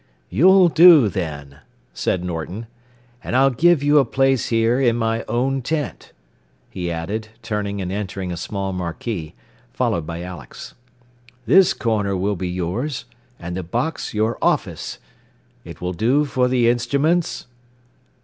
"You'll do, then," said Norton. "And I'll give you a place here in my own tent," he added, turning and entering a small marquee, followed by Alex. "This corner will be yours, and the box your 'office.' It will do for the instruments?"